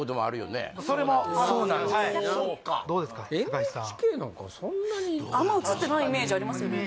ＮＨＫなんかそんなにあんま映ってないイメージありますよね